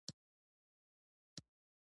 ماما منګلی او بوډا ته خومالوم و کنه.